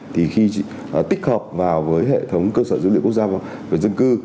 thì khi tích hợp vào với hệ thống cơ sở dữ liệu quốc gia về dân cư